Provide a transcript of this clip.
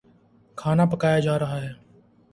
کھانا پکایا جا رہا ہے